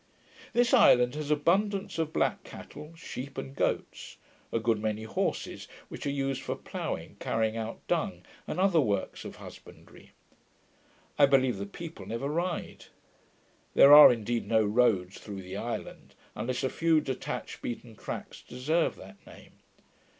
This island has abundance of black cattle, sheep, and goats; a good many horses, which are used for ploughing, carrying out dung, and other works of husbandry. I believe the people never ride. There are indeed no roads through the island, unless a few detached beaten tracks deserve that name.